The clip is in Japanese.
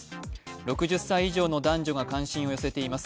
６０歳以上の男女が関心を寄せています。